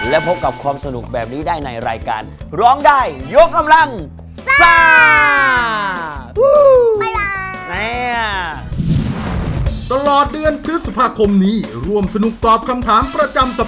และพบกับความสนุกแบบนี้ได้ในรายการ